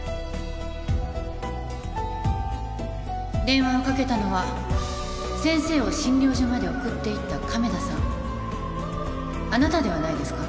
電話をかけたのは先生を診療所まで送っていった亀田さんあなたではないですか？